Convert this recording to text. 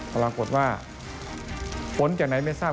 ปรากฏว่าผลจากไหนไม่ทราบ